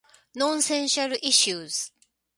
Nonsensical issues.